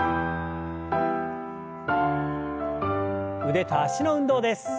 腕と脚の運動です。